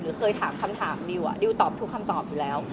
เคยถามคำถามดิวดิวตอบทุกคำตอบอยู่แล้ว